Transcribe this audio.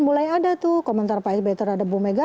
mulai ada tuh komentar pak sb terhadap bumega